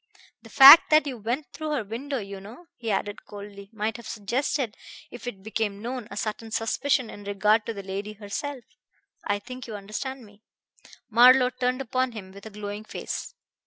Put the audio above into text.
The fact that you went through her window, you know," he added coldly, "might have suggested, if it became known, a certain suspicion in regard to the lady herself. I think you understand me." Marlowe turned upon him with a glowing face.